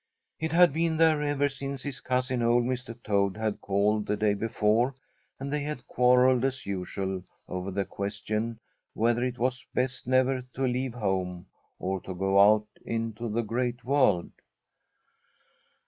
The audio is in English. It had been there ever since his cousin, old Mr. Toad, had called the day before and they had quarreled as usual over the question whether it was best never to leave home or to go out into the Great World.